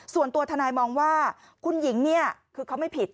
ส่วนตัวทนายมองว่าคุณหญิงเนี่ยคือเขาไม่ผิด